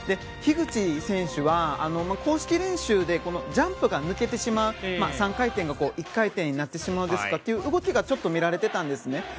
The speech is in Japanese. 樋口選手は公式練習でジャンプが抜けてしまう３回転が１回転になってしまうという動きがちょっと見られていたんですね。